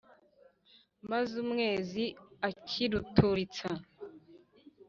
maze umwezi ukrituritsa